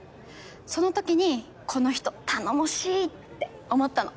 そのときにこの人頼もしいって思ったの。